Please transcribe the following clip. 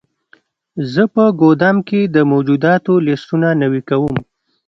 زه په ګدام کې د موجوداتو لیستونه نوي کوم.